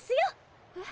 えっ。